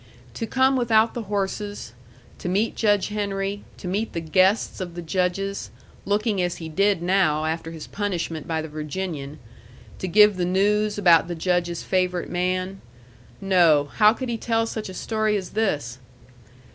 To come without the horses, to meet Judge Henry, to meet the guests of the Judge's, looking as he did now after his punishment by the Virginian, to give the news about the Judge's favorite man no, how could he tell such a story as this?